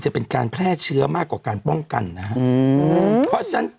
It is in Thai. จะเป็นการแพร่เชื้อมากกว่าการป้องกันนะฮะอืมเพราะฉะนั้น